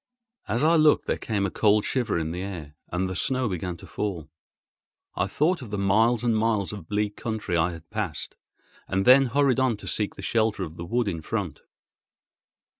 As I looked there came a cold shiver in the air, and the snow began to fall. I thought of the miles and miles of bleak country I had passed, and then hurried on to seek the shelter of the wood in front.